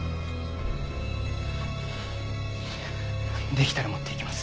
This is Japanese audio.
できたら持って行きます。